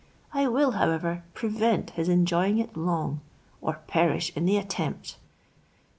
I will, however, prevent his enjoying it long, or perish in the attempt."